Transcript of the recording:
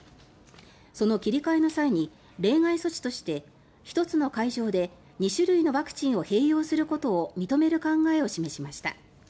その切り替えの際に例外措置として１つの会場で２種類のワクチンを併用することを認める考えを示しました。